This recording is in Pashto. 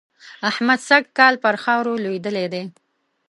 احمد سږ کال پر خاورو لوېدلی دی.